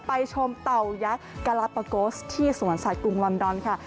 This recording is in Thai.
ไปชมเต่ายักษ์กะลาปะโกสที่สวนสัตว์กรุงลอนดอนค่ะ